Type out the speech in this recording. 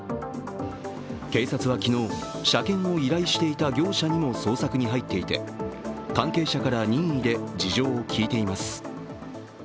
警察は昨日、車検を依頼していた業者にも捜索に入っていて関係者から任意で事情を聴いています。